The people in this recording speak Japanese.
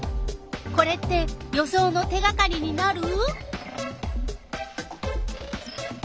これって予想の手がかりになる？